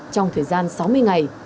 trong thời gian sáu mươi ngày